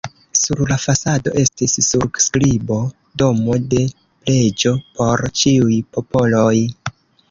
Sur la fasado estis surskribo: "Domo de preĝo por ĉiuj popoloj".